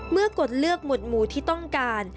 กดเลือกหวดหมู่ที่ต้องการ